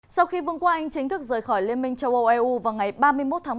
sau khi vương quốc anh chính thức rời khỏi liên minh châu âu eu vào ngày ba mươi một tháng một